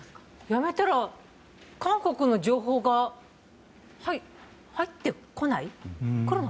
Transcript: やめたら韓国の情報が入ってこない？